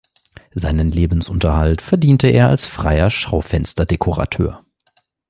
Seinen Lebensunterhalt verdiente er als freier Schaufensterdekorateur.